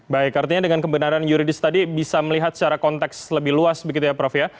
baik artinya dengan kebenaran yuridis tadi bisa melihat secara konteks lebih luas begitu ya prof ya